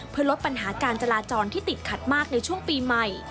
เพื่อลดปัญหาการจราจรที่ติดขัดมากในช่วงปีใหม่